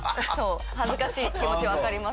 恥ずかしい気持ちわかります